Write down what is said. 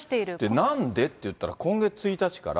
で、なんでっていったら、今月１日から。